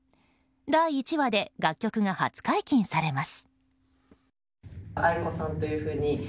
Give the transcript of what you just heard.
第１話で楽曲が初解禁されます。